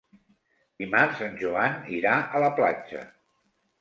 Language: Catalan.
Dimarts en Joan irà a la platja.